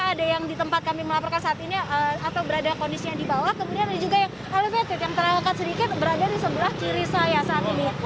ada yang di tempat kami melaporkan saat ini atau berada kondisinya di bawah kemudian ada juga yang elevated yang terangkat sedikit berada di sebelah kiri saya saat ini